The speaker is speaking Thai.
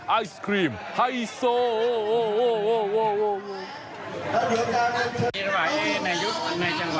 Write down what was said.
ไอศครีมไฮโซบอกว่า